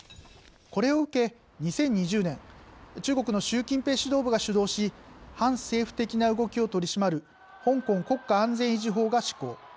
これを受け２０２０年中国の習近平指導部が主導し反政府的な動きを取り締まる香港国家安全維持法が施行。